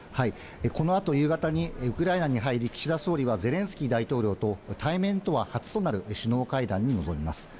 このあと夕方にウクライナに入り、岸田総理はゼレンスキー大統領と、対面とは初となる首脳会談に臨みます。